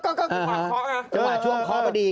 ก๊อกก๊อกก๊อกก๊อกก๊อกก๊อก